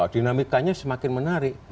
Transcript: dinamikanya semakin menarik